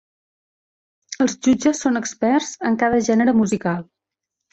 Els jutges són experts en cada gènere musical.